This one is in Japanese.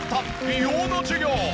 美容の授業。